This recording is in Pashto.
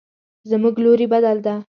زموږ لوري بدل ده